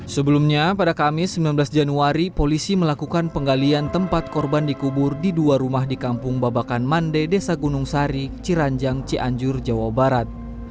sebelumnya pada kamis sembilan belas januari polisi melakukan penggalian tempat korban dikubur di dua rumah di kampung babakan mande desa gunung sari ciranjang cianjur jawa barat